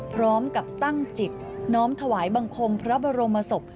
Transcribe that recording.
พร้อมกับตั้งจิตน้อมถวายบังคมพระบรมศพ